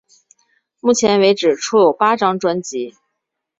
目前为止出有八张专辑。